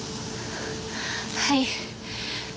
はい。